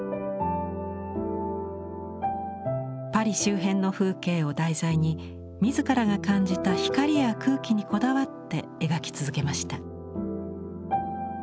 パリ周辺の風景を題材に自らが感じた光や空気にこだわって描き続けました。